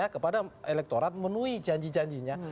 kepada elektorat menuhi janji janjinya